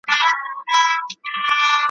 هغه ګوتي په اور سوځي چي قلم یې چلولی `